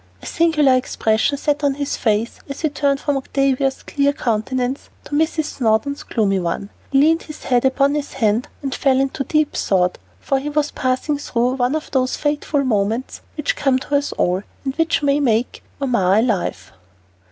A singular expression sat on his face as he turned from Octavia's clear countenance to Mrs. Snowdon's gloomy one. He leaned his head upon his hand and fell into deep thought, for he was passing through one of those fateful moments which come to us all, and which may make or mar a life.